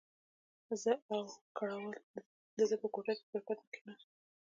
زه او کراول د ده په کوټه کې پر کټ کښېناستو.